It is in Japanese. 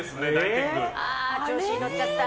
調子に乗っちゃった。